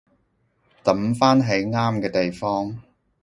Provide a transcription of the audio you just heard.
抌返喺啱嘅地方